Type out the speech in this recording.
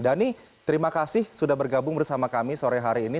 dhani terima kasih sudah bergabung bersama kami sore hari ini